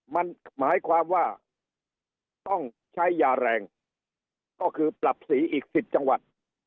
มันหมายความว่าต้องใช้ยาแรงก็คือปรับสีอีก๑๐จังหวัด